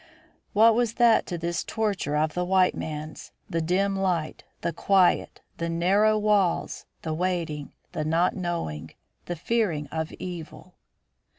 What was that to this torture of the white man's, the dim light, the quiet, the narrow walls, the waiting, the not knowing, the fearing of evil?